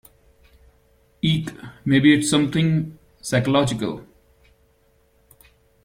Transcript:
Eek! Maybe it’s something psychological?